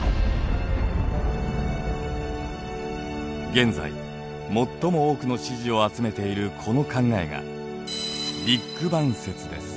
現在最も多くの支持を集めているこの考えがビッグバン説です。